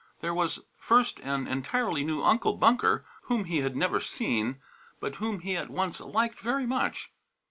There was, first, an entirely new Uncle Bunker whom he had never seen, but whom he at once liked very much.